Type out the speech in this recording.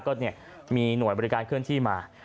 ก็มีหน่วยบริการเคลื่อนที่มา